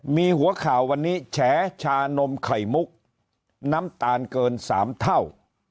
มีหัวข่าววันนี้แฉชานมไข่มุกน้ำตาลเกิน๓เท่า